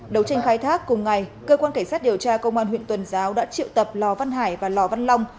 đấu tranh khai thác cùng ngày cơ quan cảnh sát điều tra công an huyện tuần giáo đã triệu tập lò văn hải và lò văn long